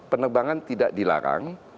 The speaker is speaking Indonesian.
penerbangan tidak dilarang